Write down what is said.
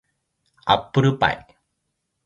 アップルパイ